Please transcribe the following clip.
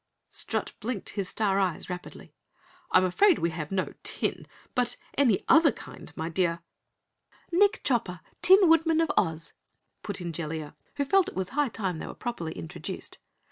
Strut blinked his star eyes rapidly. "I'm afraid we have no tin, but any other kind, my dear " "Nick Chopper, Tin Woodman of Oz," put in Jellia, who felt it was high time they were properly introduced.